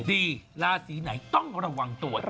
ดีราศีไหนต้องระวังตัว